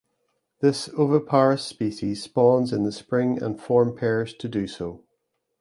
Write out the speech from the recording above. This oviparous species spawns in the Spring and form pairs to do so.